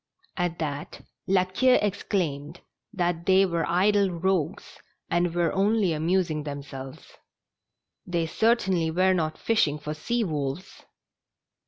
At that La Queue exclaimed that they were idle rogues, and were only amusing them selves. They certainly were not fishing for sea wolves